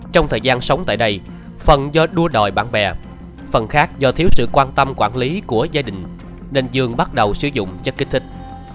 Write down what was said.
trong thời gian sống tại đây phần do đua đòi bạn bè phần khác do thiếu sự quan tâm quản lý của gia đình nên dương bắt đầu sử dụng chất kích thích